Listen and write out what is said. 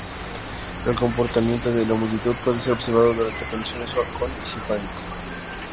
El comportamiento de la multitud puede ser observado durante condiciones con y sin pánico.